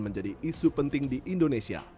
menjadi isu penting di indonesia